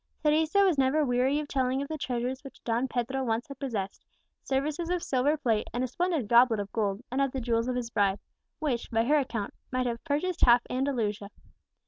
Teresa was never weary of telling of the treasures which Don Pedro once had possessed, services of silver plate, and a splendid goblet of gold, and of the jewels of his bride, which, by her account, might have purchased half Andalusia.